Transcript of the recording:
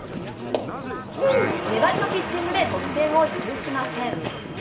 粘りのピッチングで得点を許しません。